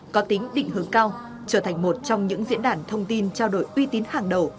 có tính định hướng cao trở thành một trong những diễn đàn thông tin trao đổi uy tín hàng đầu